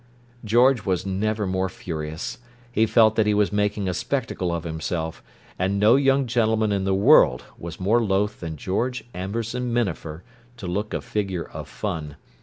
George was never more furious; he felt that he was "making a spectacle of himself"; and no young gentleman in the world was more loath than George Amberson Minafer to look a figure of fun.